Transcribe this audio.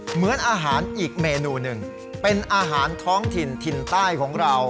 เหมือนอาหารอีกเมนูหนึ่งเป็นอาหารท้องถิ่นถิ่นใต้ของเรา